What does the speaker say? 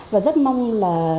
và rất mong là